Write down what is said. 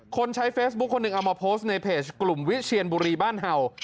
ใช้เฟซบุ๊คคนหนึ่งเอามาโพสต์ในเพจกลุ่มวิเชียนบุรีบ้านเห่า